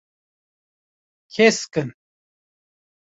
Kesk in.